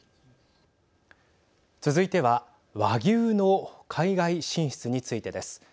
続いては和牛の海外進出についてです。